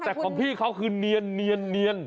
แต่ของพี่เขาคือเนียน